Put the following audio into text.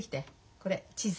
これ地図。